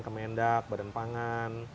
kemendak badan pangan